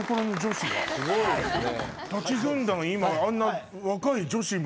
すごいですね。